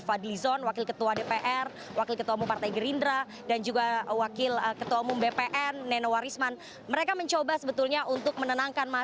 adalah situasi terkini di wilayah petamburan jakarta